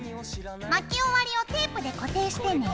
巻き終わりをテープで固定してね。